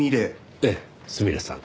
ええすみれさん。